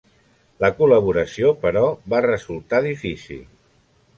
La col·laboració, però, va resultar difícil.